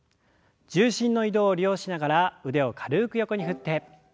重心の移動を利用しながら腕を軽く横に振って。